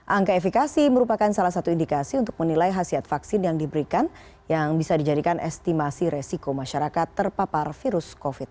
angka efekasi merupakan salah satu indikasi untuk menilai hasil vaksin yang diberikan yang bisa dijadikan estimasi resiko masyarakat terpapar virus covid sembilan belas